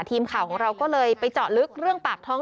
ทีมข่าวของเราก็เลยไปเจาะลึกเรื่องปากท้อง